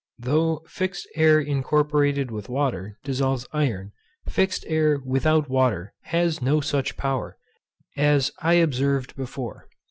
Though fixed air incorporated with water dissolves iron, fixed air without water has no such power, as I observed before.